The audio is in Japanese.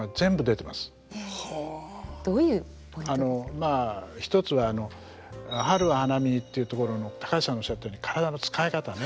まあ一つは「春は花見に」というところの高橋さんがおっしゃったように体の使い方ね。